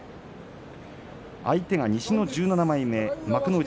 相手が西の１７枚目幕内